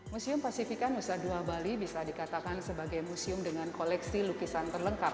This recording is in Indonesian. museum pasifika nusa dua bali bisa dikatakan sebagai museum dengan koleksi lukisan terlengkap